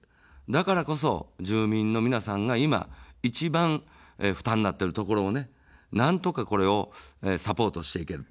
だからこそ、住民の皆さんが今、一番負担になっているところをなんとかこれをサポートしていける。